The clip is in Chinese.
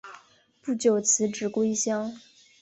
不久辞职归乡。